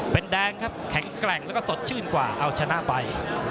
เป็นแดงครับแข็งแกร่งแล้วก็สดชื่นกว่าเอาชนะไป